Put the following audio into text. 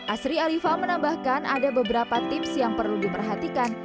asri alifa menambahkan ada beberapa tips yang perlu diperhatikan